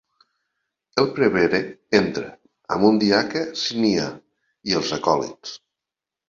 El prevere entra, amb un diaca -si n'hi ha-, i els acòlits.